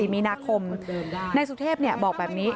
มีนาคมนายสุเทพบอกแบบนี้